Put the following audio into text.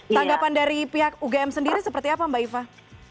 tanggapan dari pihak ugm sendiri seperti apa mbak iva